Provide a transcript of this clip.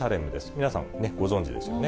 皆さん、ご存じですよね。